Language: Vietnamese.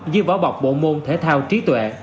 như võ bọc bộ môn thể thao trí tuệ